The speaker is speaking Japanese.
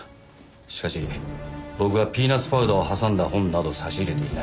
しかし僕はピーナツパウダーを挟んだ本など差し入れていない。